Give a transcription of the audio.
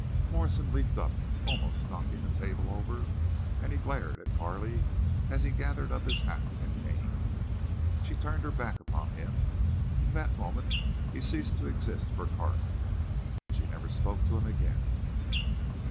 Morrison leaped up, almost knocking the table over, and he glared at Carley as he gathered up his hat and cane. She turned her back upon him. From that moment he ceased to exist for Carley. She never spoke to him again.